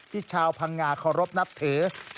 ที่ชาวพังงาโครบนับถือ